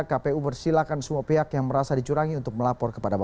kpu persilahkan semua pihak yang merasa dicurangi untuk melakukan penyelidikan